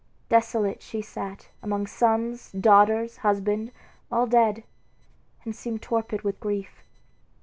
Desolate she sat, among sons, daughters, husband, all dead, and seemed torpid with grief.